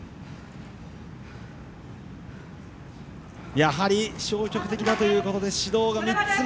やはり、消極的ということで指導、３つ目！